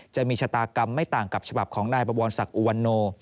จะมีชะตากรรมไม่ต่างกับฉบับของนายบวรศักดิอุวันโน